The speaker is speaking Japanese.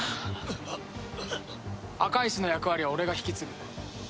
赤石の役割は俺が引き継ぐ。